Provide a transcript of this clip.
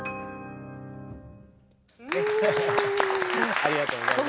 ありがとうございます。